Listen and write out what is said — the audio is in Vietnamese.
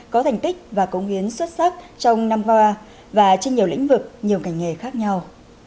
có thành tích và công hiến xuất sắc trong năm qua và trên nhiều lĩnh vực nhiều ngành nghề khác nhau